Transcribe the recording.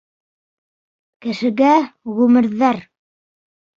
Кешегә ғүмерҙәр